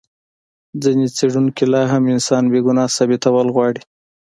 ځینې څېړونکي لا هم انسان بې ګناه ثابتول غواړي.